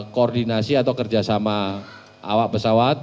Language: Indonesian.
koordinasi atau kerjasama awak pesawat